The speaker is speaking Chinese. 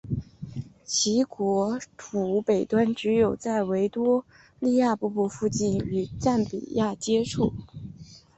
其国土北端只有在维多利亚瀑布附近与赞比亚接触。